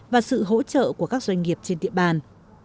và sự hỗ trợ của các doanh nghiệp trên địa bàn